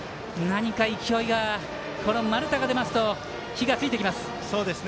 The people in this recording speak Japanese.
勢いが丸田が出ますと火がついてきます。